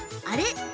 あれ？